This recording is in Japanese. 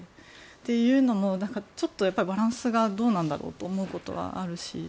というのもバランスがどうなんだろうと思うことはあるし